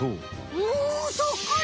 おおっそっくり！